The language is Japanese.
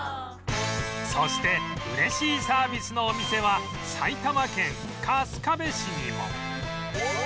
そして嬉しいサービスのお店は埼玉県春日部市にも